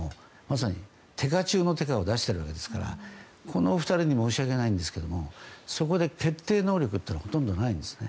手下中の手下を出しているわけですからこの２人に申し訳ないんですがそこの決定能力というのはほとんどないんです。